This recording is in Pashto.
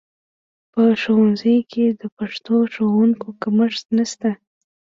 په ښوونځیو کې د پښتو ښوونکو کمښت شته